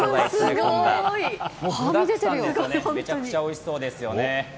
具だくさんでめちゃくちゃおいしそうですよね。